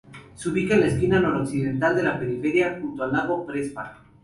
Se ubica en la esquina noroccidental de la periferia, junto al lago Prespa.